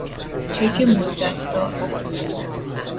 چک مدت دار